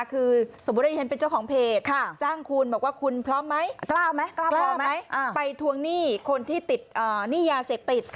คือสมมุติที่ฉันเป็นเจ้าของเพจจ้างคุณบอกว่าคุณพร้อมไหมกล้าไหมกล้าพร้อมไหมไปทวงหนี้คนที่ติดหนี้ยาเสพติด